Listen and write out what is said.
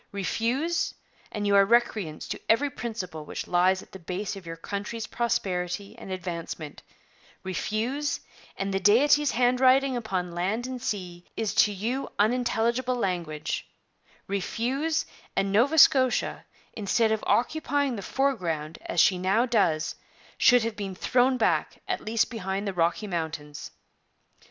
Refuse, and you are recreants to every principle which lies at the base of your country's prosperity and advancement; refuse, and the Deity's handwriting upon land and sea is to you unintelligible language; refuse, and Nova Scotia, instead of occupying the foreground as she now does, should have been thrown back, at least behind the Rocky Mountains.